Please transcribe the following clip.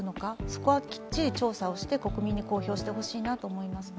そこはきっちり調査をして国民に公表してほしいと思います。